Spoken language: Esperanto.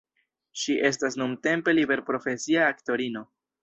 Ŝi estas nuntempe liberprofesia aktorino.